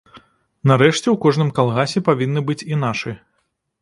Нарэшце ў кожным калгасе павінны быць і нашы.